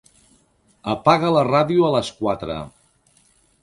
Apaga la ràdio a les quatre.